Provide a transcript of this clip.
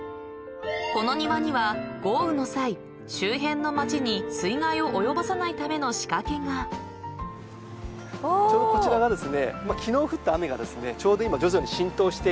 ［この庭には豪雨の際周辺の街に水害を及ぼさないための仕掛けが］というそんな機能があります。